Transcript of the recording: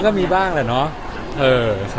มันก็มีบ้างแหละเนอะ